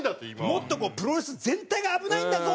もっとこう「プロレス全体が危ないんだぞ」